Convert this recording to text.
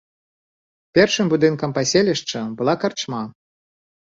Першым будынкам паселішча была карчма.